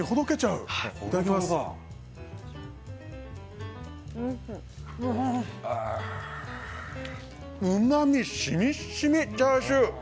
うまみしみしみチャーシュー。